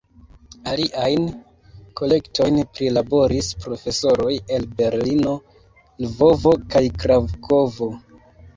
Aliajn kolektojn prilaboris profesoroj el Berlino, Lvovo kaj Krakovo.